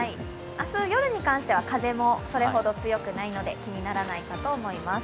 明日夜に関しては風もそれほど強くないので気にならないと思います。